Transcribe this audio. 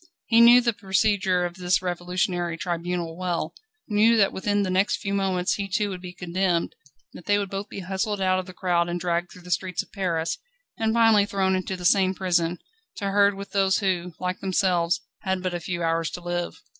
He knew the procedure of this revolutionary tribunal well knew that within the next few moments he too would be condemned, that they would both be hustled out of the crowd and dragged through the streets of Paris, and finally thrown into the same prison, to herd with those who, like themselves, had but a few hours to live.